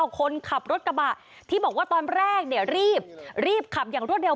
คนขับรถกระบะที่บอกว่าตอนแรกเนี่ยรีบรีบขับอย่างรวดเร็